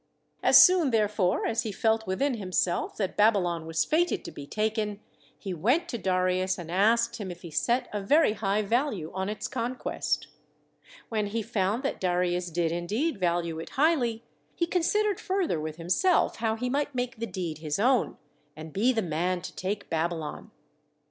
As soon therefore as he felt within himself that Babylon was fated to be taken, he went to Darius and asked him if he set a very high value on its con quest. When he found that Darius did indeed value it highly, he considered further with himself how he might make the deed his own, and be the man to take Babylon.